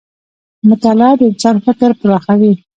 مطالعه د انسان فکر پراخوي.